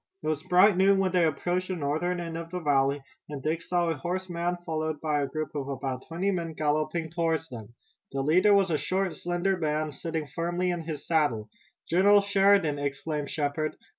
It was bright noon when they approached the northern end of the valley, and Dick saw a horseman followed by a group of about twenty men galloping toward them. The leader was a short, slender man, sitting firmly in his saddle. "General Sheridan!" exclaimed Shepard.